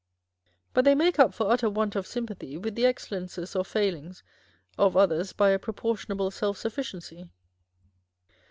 But they make up for utter want of sympathy with the excellences or failings of others by a propor tionable self sufficiency.